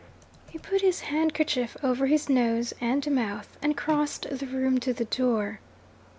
He put his handkerchief over his nose and mouth, and crossed the room to the door.